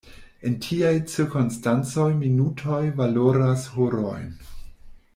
En tiaj cirkonstancoj minutoj valoras horojn.